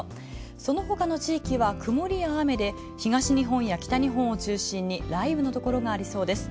そのほかの地域は曇りや雨で、東日本や北日本を中心に雷雨のところがありそうです。